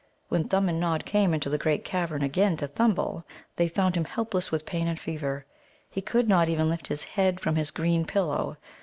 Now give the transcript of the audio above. When Thumb and Nod came into the great cavern again to Thimble, they found him helpless with pain and fever. He could not even lift his head from his green pillow.